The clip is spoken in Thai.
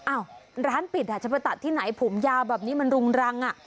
อ้าวร้านปิดอ่ะจะไปตัดที่ไหนผมยาวแบบนี้มันรุงรังอ่ะ